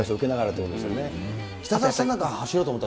そうですよね。